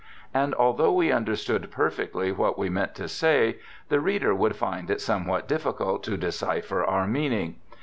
And although we understood perfectly what we meant to say, the reader would find it somewhat difficult to decipher our meaning.